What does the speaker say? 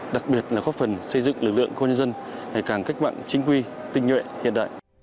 đặc biệt là góp phần xây dựng lực lượng công nhân dân ngày càng cách mạng chính quy tình nguyện hiện đại